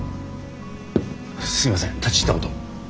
すみません立ち入ったことを。